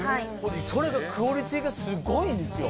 それがクオリティーがすごいんですよ